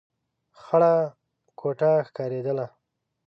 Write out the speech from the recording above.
خړه کوټه ښکارېدله.